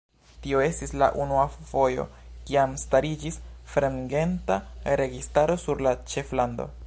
Tio estis la unua fojo kiam stariĝis fremdgenta registaro sur la ĉeflando.